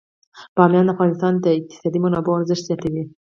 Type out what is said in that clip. بامیان د افغانستان د اقتصادي منابعو ارزښت زیاتوي.